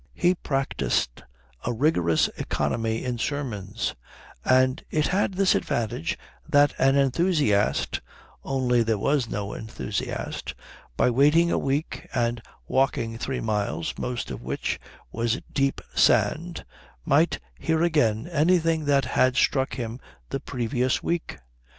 He practised a rigorous economy in sermons; and it had this advantage that an enthusiast only there was no enthusiast by waiting a week and walking three miles, most of which was deep sand, might hear again anything that had struck him the previous week.